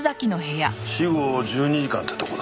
死後１２時間ってとこだな。